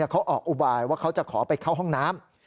เขาออกอุบายว่าเขาจะขอไปเข้าห้องน้ำ